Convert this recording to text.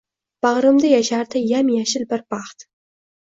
Bag‘rimda yashardi yam-yashil bir baxt.